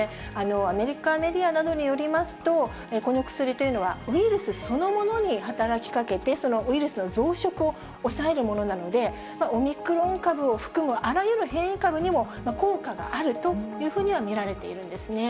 アメリカメディアなどによりますと、この薬というのはウイルスそのものに働きかけて、そのウイルスの増殖を抑えるものなので、オミクロン株を含むあらゆる変異株にも、効果があるというふうには見られているんですね。